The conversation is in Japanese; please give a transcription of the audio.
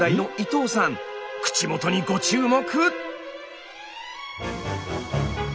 口元にご注目！